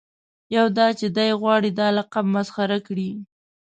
یو دا چې دای غواړي دا لقب مسخره کړي.